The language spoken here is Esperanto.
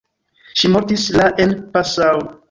Ŝi mortis la en Passau.